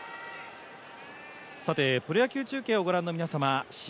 プロ野球中継をご覧の皆様